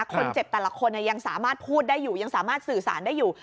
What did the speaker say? แต่ละคนยังสามารถพูดได้อยู่ยังสามารถสื่อสารได้อยู่